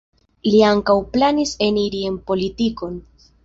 Li ankaŭ planis eniri en politikon.